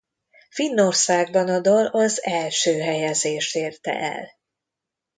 Finnországban a dal az első helyezést érte el.